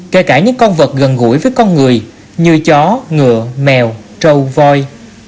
kể cả những con vật gần gũi với con người như chó ngựa mèo trâu voi